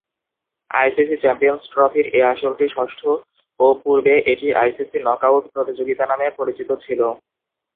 ICC champions ট্রফির এ আসরটি ষষ্ঠ ও পূর্বে এটি আইসিসি নক-আউট প্রতিযোগিতা নামে পরিচিত ছিল।